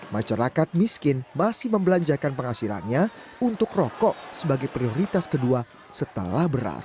masyarakat miskin masih membelanjakan penghasilannya untuk rokok sebagai prioritas kedua setelah beras